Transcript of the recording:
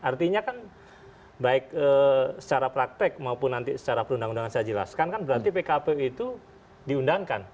artinya kan baik secara praktek maupun nanti secara perundang undangan saya jelaskan kan berarti pkpu itu diundangkan